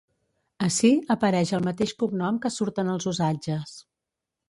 Ací apareix el mateix cognom que surt en els Usatges.